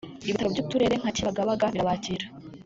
ibitaro by’uturere nka Kibagabaga birabakira